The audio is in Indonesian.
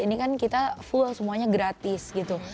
ini kan kita full semuanya gratis gitu